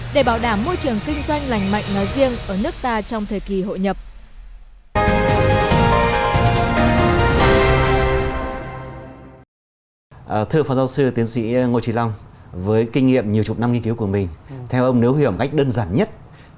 để bảo đảm môi trường kinh doanh lành mạnh nói riêng ở nước ta trong thời kỳ hội nhập